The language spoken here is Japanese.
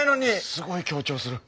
すごい強調する。